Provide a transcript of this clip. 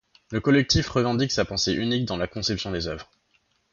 Le collectif revendique sa pensée unique dans la conception des œuvres.